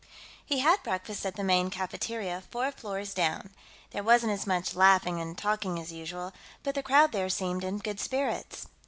He had breakfast at the main cafeteria, four floors down; there wasn't as much laughing and talking as usual, but the crowd there seemed in good spirits.